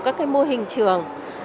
có các cái mô hình trường